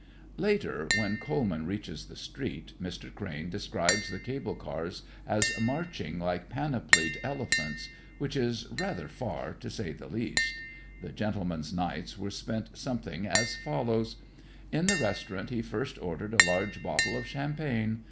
Later, when Coleman reached the street, Mr. Crane describes the cable cars as marching like panoplied elephants, which is rather far, to say the least. The gentleman's nights were spent something as follows: "In the restaurant he first ordered a large bottle of champagne.